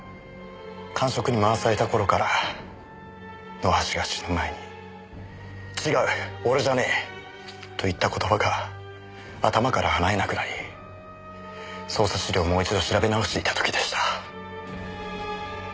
閑職に回された頃から野橋が死ぬ前に「違う俺じゃねえ！」と言った言葉が頭から離れなくなり捜査資料をもう一度調べ直していた時でした。